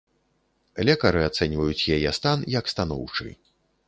Лекары ацэньваюць яе стан як станоўчы.